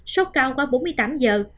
sốt cao qua bốn mươi tám giờ